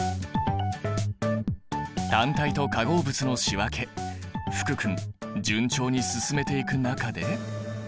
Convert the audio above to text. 単体と化合物の仕分け福君順調に進めていく中で。